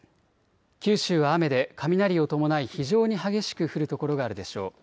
九州は雨で雷を伴い非常に激しく降る所があるでしょう。